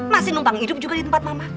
masih numpang hidup juga di tempat mama